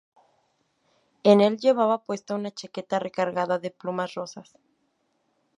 En el llevaba puesta una chaqueta recargada de plumas rosas.